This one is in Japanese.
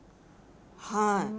はい。